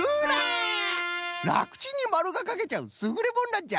らくちんにまるがかけちゃうすぐれものなんじゃ！